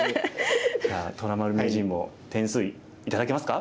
じゃあ虎丸名人も点数頂けますか？